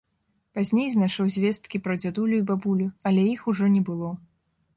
Пазней знайшоў звесткі пра дзядулю і бабулю, але іх ужо не было.